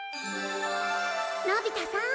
のび太さん。